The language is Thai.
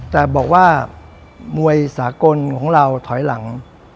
แต่บอกว่ามวยสากลของเราถอยหลัง